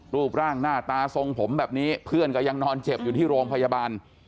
รูปร่างหน้าตาทรงผมแบบนี้เพื่อนก็ยังนอนเจ็บอยู่ที่โรงพยาบาล